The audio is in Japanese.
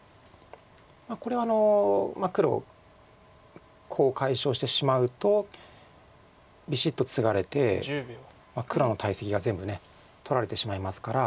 これ黒コウを解消してしまうとビシッとツガれて黒の大石が全部取られてしまいますから。